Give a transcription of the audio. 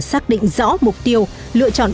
xác định rõ mục tiêu lựa chọn